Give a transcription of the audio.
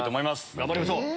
頑張りましょう！